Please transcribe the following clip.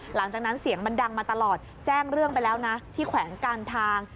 หลังจากนั้นเสียงมันดังมาตลอดแจ้งเรื่องไปแล้วนะที่แขวงการทาง